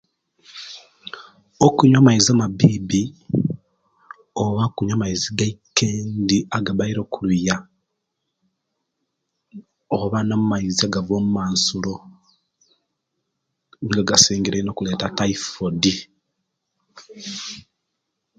Okunywa amaizi amabibi oba okunywa amaizi ag'eikendi agabaire okuluya, oba namaizi agagwamumansulo, nigo agasingire einu okuleeta taifoidi